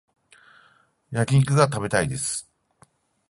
焼き肉が食べたいです